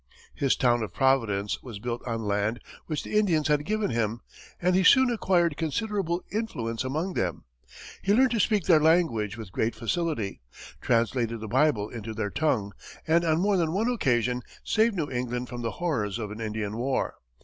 His town of Providence was built on land which the Indians had given him, and he soon acquired considerable influence among them. He learned to speak their language with great facility, translated the Bible into their tongue, and on more than one occasion saved New England from the horrors of an Indian war.